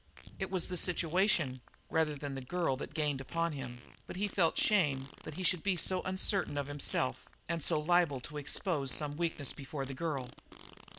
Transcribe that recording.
It was the situation rather than the girl that gained upon him, but he felt shamed that he should be so uncertain of himself and so liable to expose some weakness before the girl.